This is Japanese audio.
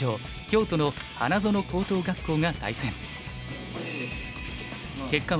京都の花園高等学校が対戦。